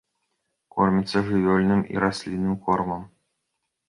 Кормяцца жывёльным і раслінным кормам.